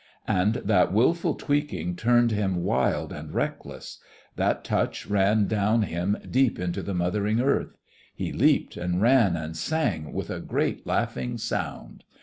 And that wilful tweaking turned him wild and reckless. That touch ran down him deep into the mothering earth. He leaped and ran and sang with a great laughing sound.